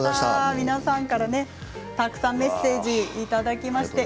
皆さんからたくさんメッセージをいただきました。